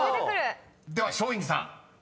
［では松陰寺さん］